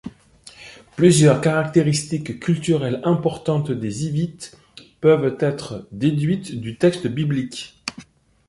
Plusieurs caractéristiques culturelles importantes des Hivites peuvent être déduites du texte biblique.